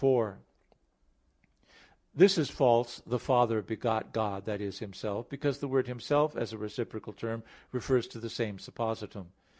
4: This is false, "the Father begot God, that is Himself," because the word "Himself," as a reciprocal term, refers to the same _suppositum.